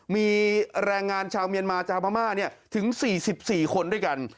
มีแรงงานชาวเมียนมาจากพม่าถึง๔๔คนด้วยกัน